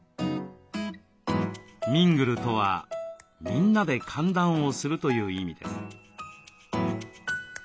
「みんぐる」とはみんなで歓談をするという意味です。